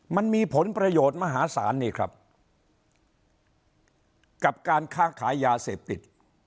มันมีผลประโยชน์มหาศาลนี่ครับกับการค้าขายยาเสพติด